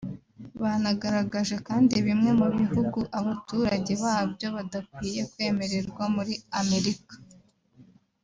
Banagaragaje kandi bimwe mu bihugu abaturage babyo badakwiye kwemererwa muri Amerika